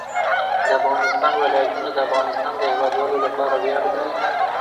د افغانستان ولايتونه د افغانستان د هیوادوالو لپاره ویاړ دی.